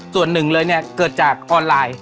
ส่วนหนึ่งเลยเนี่ยเกิดจากออนไลน์